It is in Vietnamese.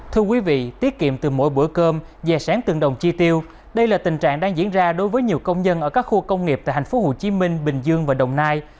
thưa quý vị tiết kiệm từ mỗi buổi cơm dè sáng từng đồng chi tiêu đây là tình trạng đang diễn ra đối với nhiều công nhân ở các khu công nghiệp tại hạnh phúc hồ chí minh bình dương và đồng nai